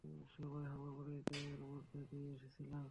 সবাই হামাগুড়ি দিয়ে এর মধ্য দিয়ে এসেছিল।